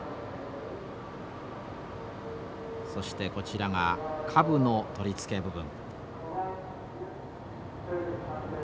そしてこちらが下部の取り付け部分。